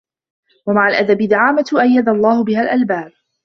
وَمَعَ الْأَدَبِ دِعَامَةٌ أَيَّدَ اللَّهُ بِهَا الْأَلْبَابَ